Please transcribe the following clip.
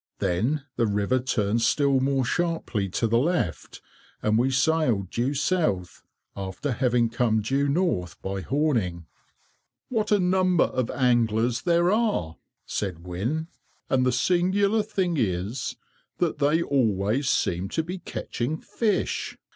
Then the river turns still more sharply to the left, and we sailed due south, after having come due north by Horning. "What a number of anglers there are!" said Wynne, "and the singular thing is, that they always seem to be catching fish.